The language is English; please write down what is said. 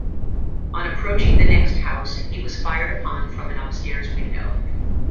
On approaching the next house, he was fired upon from an upstairs window.